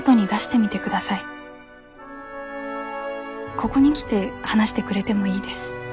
ここに来て話してくれてもいいです。